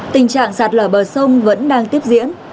tình trạng sạt lở bờ sông vẫn đang tiếp diễn